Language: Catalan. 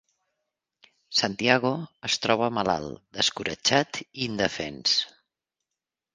Santiago es troba malalt, descoratjat i indefens.